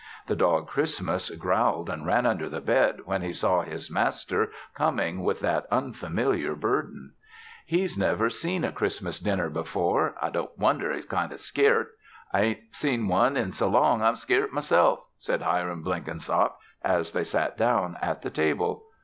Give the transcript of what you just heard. The dog Christmas growled and ran under the bed when he saw his master coming with that unfamiliar burden. "He's never seen a Christmas dinner before. I don't wonder he's kind o' scairt! I ain't seen one in so long, I'm scairt myself," said Hiram Blenkinsop as they sat down at the table.